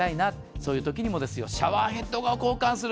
そういう時にもシャワーヘッドを交換する。